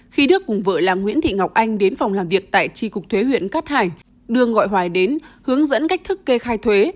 khi đức cùng vợ là nguyễn thị ngọc anh đến phòng làm việc tại tri cục thuế huyện cát hải đưa gọi hoài đến hướng dẫn cách thức kê khai thuế